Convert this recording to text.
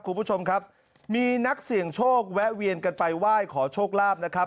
คุณผู้ชมครับมีนักเสี่ยงโชคแวะเวียนกันไปไหว้ขอโชคลาภนะครับ